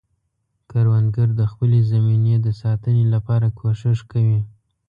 کروندګر د خپلې زمینې د ساتنې لپاره کوښښ کوي